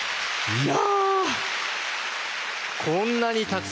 いや。